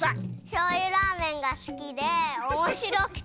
しょうゆラーメンがすきでおもしろくて。